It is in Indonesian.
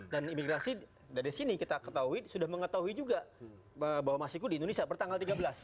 dan imigrasi dari sini kita ketahui sudah mengetahui juga bahwa masyukur di indonesia per tanggal tiga belas